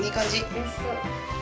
おいしそう。